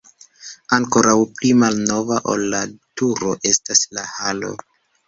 Ankoraŭ pli malnova ol la turo estas la halo.